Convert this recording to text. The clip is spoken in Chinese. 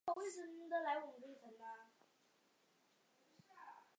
当时任弼时被指定为苏区中央局成员之一。